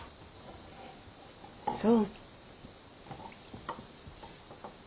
そう。